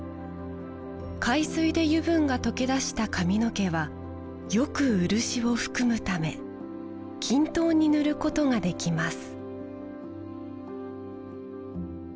海水で油分が溶け出した髪の毛はよく漆を含むため均等に塗ることができます